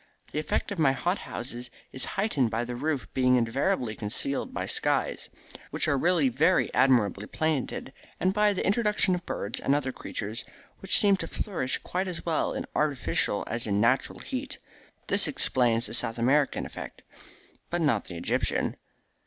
The effect of my hot houses is heightened by the roofs being invariably concealed by skies, which are really very admirably painted, and by the introduction of birds and other creatures, which seem to flourish quite as well in artificial as in natural heat. This explains the South American effect." "But not the Egyptian."